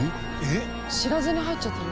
知らずに入っちゃってる？